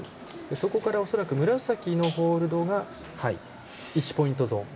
そこから恐らく紫のホールド１ポイントゾーン。